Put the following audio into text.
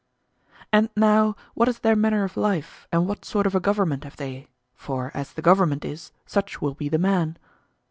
And now what is their manner of life, and what sort of a government have they? for as the government is, such will be the man.